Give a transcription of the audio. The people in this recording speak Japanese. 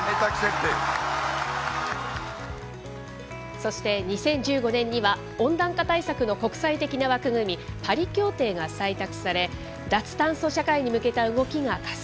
そして２０１５年には温暖化対策の国際的な枠組み、パリ協定が採択され、脱炭素社会に向けた動きが加速。